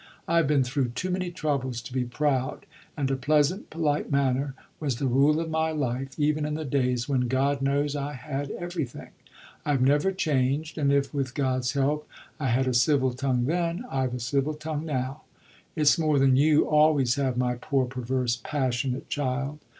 I've been through too many troubles to be proud, and a pleasant, polite manner was the rule of my life even in the days when, God knows, I had everything. I've never changed and if with God's help I had a civil tongue then, I've a civil tongue now. It's more than you always have, my poor, perverse, passionate child.